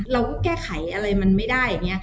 เราก็แก้ไขอะไรมันไม่ได้อย่างนี้